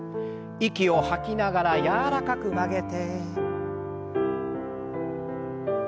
息を吐きながら柔らかく曲げて。